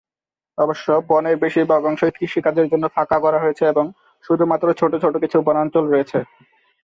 অবশ্য, বনের বেশিরভাগ অংশই কৃষিকাজের জন্য ফাঁকা করা হয়েছে এবং শুধুমাত্র ছোট ছোট কিছু বনাঞ্চল রয়েছে।